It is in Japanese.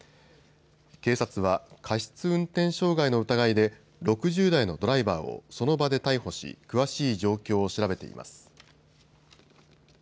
警察は過失運転傷害の疑いで６０代のドライバーをその場で逮捕し、詳しい状況を調べています。